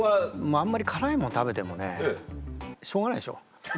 あんまり辛いもん食べてもねしょうがないでしょ。